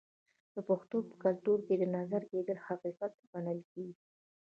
د پښتنو په کلتور کې د نظر کیدل حقیقت ګڼل کیږي.